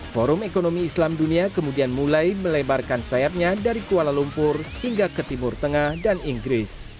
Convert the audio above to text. forum ekonomi islam dunia kemudian mulai melebarkan sayapnya dari kuala lumpur hingga ke timur tengah dan inggris